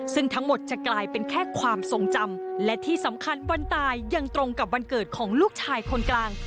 ซึ่งทั้งหมดจะกลายเป็นแค่ความทรงจำและที่สำคัญวันตายยังตรงกับวันเกิดของลูกชายคนกลาง